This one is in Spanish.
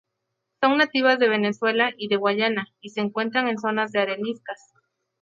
Son nativas de Venezuela y de Guyana y se encuentran en zonas de areniscas.